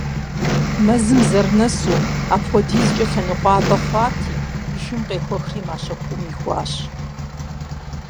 Мэзым зэрынэсу, апхуэдизкӀэ лъэныкъуабэ хъуати, и шым къехуэхри мащэ куум ихуащ.